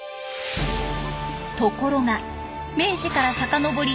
ところが明治から遡り